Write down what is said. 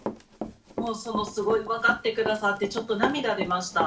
もうすごい分かって下さってちょっと涙出ました。